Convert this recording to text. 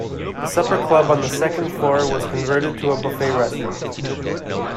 The supper club on the second floor was converted to a buffet restaurant.